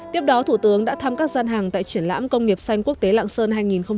tiếp đó thủ tướng đã thăm các gian hàng tại triển lãm công nghiệp xanh quốc tế lạng sơn hai nghìn hai mươi bốn